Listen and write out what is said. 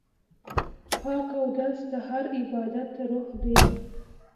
پاک اودس د هر عبادت روح دی.